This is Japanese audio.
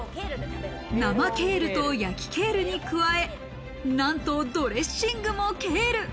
生ケールと焼きケールに加え、なんとドレッシングもケール。